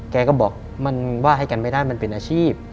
แกก็บอกมันว่าให้กันไม่ได้มันเป็นอาชีพ